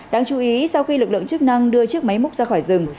đáng chú ý sau khi lực lượng chức năng đưa chiếc máy múc ra khỏi rừng